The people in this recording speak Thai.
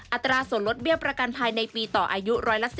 อัตราส่วนลดเบี้ยประกันภัยในปีต่ออายุ๑๓